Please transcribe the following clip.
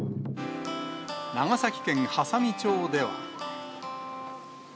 長崎県波佐見町では。